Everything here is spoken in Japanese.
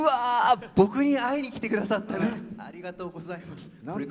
僕に会いに来てくださったありがとうございます。